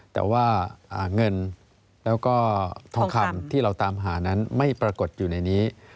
แต่ว่าเงินแล้วก็ทองคำที่เราตามหานั้นไม่ปรากฏอยู่ในนี้